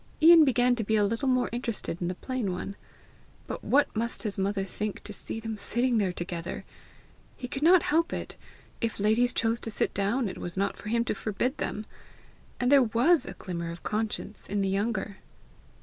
Ian began to be a little more interested in the plain one. But what must his mother think to see them sitting there together! He could not help it! if ladies chose to sit down, it was not for him to forbid them! And there WAS a glimmer of conscience in the younger!